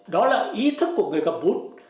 đó là ý thức của người cầm bút